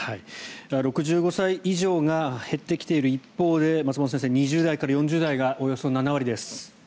６５歳以上が減ってきている一方で２０代から４０代がおよそ７割です。